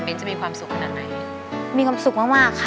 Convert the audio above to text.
จะมีความสุขขนาดไหนมีความสุขมากมากค่ะ